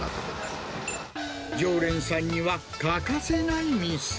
常連さんには欠かせない店。